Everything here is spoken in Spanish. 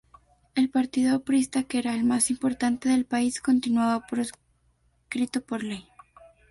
El partido aprista, que era el más importante del país, continuaba proscrito por ley.